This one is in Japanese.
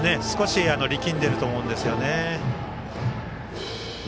少し力んでいると思うんですよね。